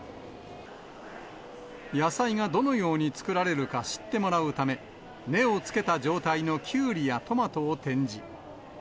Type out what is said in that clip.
野菜がどのように作られるか知ってもらうため、根をつけた状態のキュウリやトマトを展示。